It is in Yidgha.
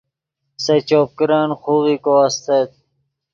سے چوپ کرن خوغیکو استت